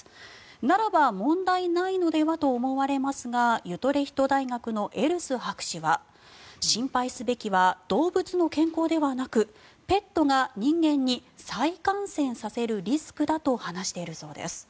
ならば、問題ないのではと思われますがユトレヒト大学のエルス博士は心配すべきは動物の健康ではなくペットが人間に再感染させるリスクだと話しているそうです。